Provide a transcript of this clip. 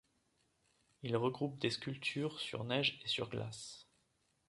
Il regroupe des sculptures sur neige et sur glace.